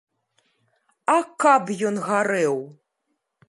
А каб ён гарэў!